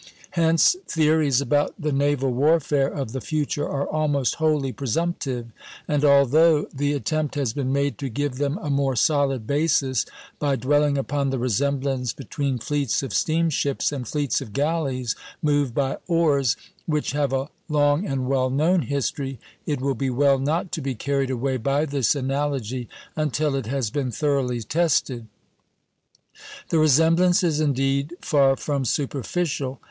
Hence theories about the naval warfare of the future are almost wholly presumptive; and although the attempt has been made to give them a more solid basis by dwelling upon the resemblance between fleets of steamships and fleets of galleys moved by oars, which have a long and well known history, it will be well not to be carried away by this analogy until it has been thoroughly tested. The resemblance is indeed far from superficial.